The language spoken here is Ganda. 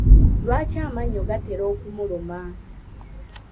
Lwaki amannyo gatera okumuluma?